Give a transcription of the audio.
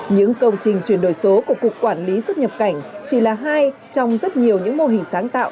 những công trình chuyển đổi số của cục quản lý xuất nhập cảnh chỉ là hai trong rất nhiều những mô hình sáng tạo